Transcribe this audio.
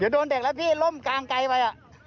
เดี๋ยวโดนเด็กแล้วพี่ล่มกลางไกลไป